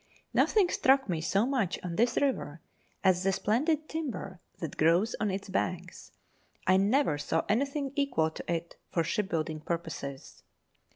Nothing struck me so much on this river as the splendid ' timber that grows on its banks ; I never saw anything equal to it for shipbuilding purposes.